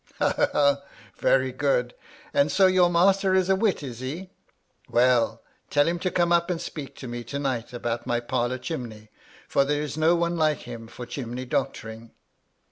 ^^Ha, ha! very good! And so your master is a wit, is he ? Well ! tell him to come up and speak to me to night about my parlour chimney, for there is no one like him for chimney doctoring."